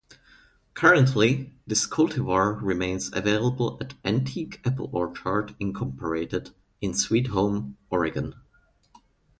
Currently, this cultivar remains available at Antique Apple Orchard Incorporated in Sweet Home, Oregon.